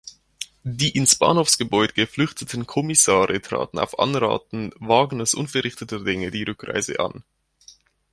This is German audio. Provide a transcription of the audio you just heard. Die ins Bahnhofsgebäude geflüchteten Kommissare traten auf Anraten Wagners unverrichteter Dinge die Rückreise an.